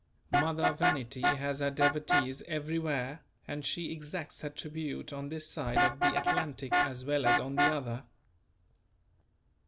Mother vanity has her devotees everywhere and she exacts her tribute on this side of the Atlantic as well as on the other.